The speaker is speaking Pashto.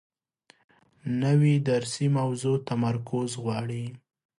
نوې درسي موضوع تمرکز غواړي